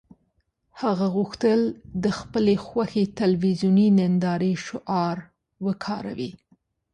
هغه غوښتل د خپلې خوښې تلویزیوني نندارې شعار وکاروي